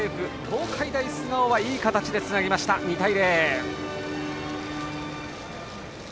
東海大菅生はいい形でつなぎました、２対０。